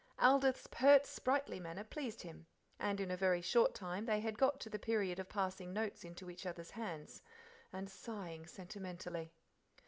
Aldith's pert, sprightly manner pleased him, and in a very short time they had got to the period of passing notes into each other's hands and sighing sentimentally.